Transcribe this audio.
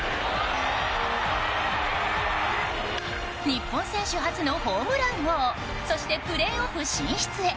日本選手初のホームラン王そして、プレーオフ進出へ。